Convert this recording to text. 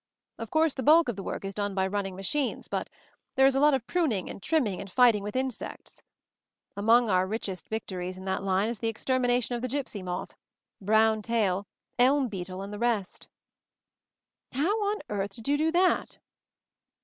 Of course the bulk of the work is done by running machines; but there is a lot of pruning and trimming and fighting with insects. Among our richest victories in that line is the extermination of the gipsy moth — brown tail — elm beetle and the rest." "How on earth did you do that?"